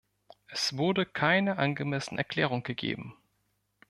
Es wurde keine angemessene Erklärung gegeben.